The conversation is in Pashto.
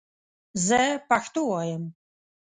زه پښتو وایم